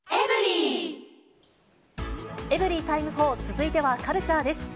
エブリィタイム４、続いてはカルチャーです。